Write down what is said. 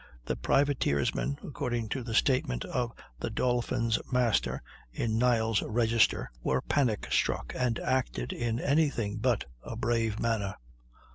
The privateersmen (according to the statement of the Dolphin's master, in "Niles' Register") were panic struck, and acted in any thing but a brave manner.